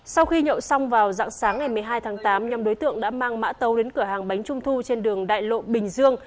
sau khi nhậu xong vào dạng sáng ngày một mươi hai tháng tám nhóm đối tượng đã mang mã tấu đến cửa hàng bánh trung thu trên đường đại lộ bình dương